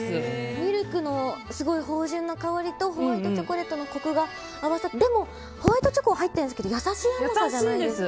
ミルクのすごい芳醇な香りとホワイトチョコレートのこくが合わさってでもホワイトチョコ入ってるんですけど優しい甘さじゃないですか？